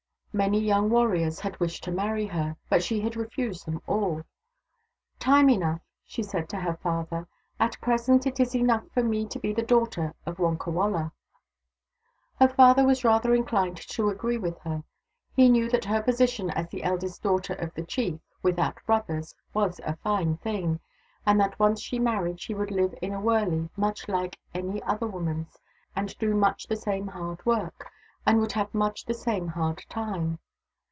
Many young warriors had wished to marry her, but she had refused them all. " Time enough," she said to her father. " At present it is enough for me to be the daughter of Wonkawala." Her father was rather inclined to agree with her. He knew that her position as the eldest daughter of the chief — without brothers — was a fine thing, and that once she married she would live in a wurley much like any other woman's and do much the same hard work, and have much the same hard time.